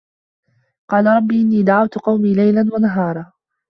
قالَ رَبِّ إِنّي دَعَوتُ قَومي لَيلًا وَنَهارًا